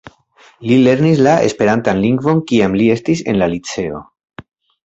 Li lernis la esperantan lingvon kiam li estis en la liceo.